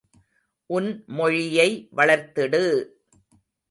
உன் மொழியை வளர்த்திடு!